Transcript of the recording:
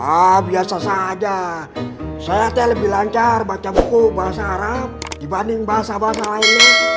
ah biasa saja saya lebih lancar baca buku bahasa arab dibanding bahasa bahasa lainnya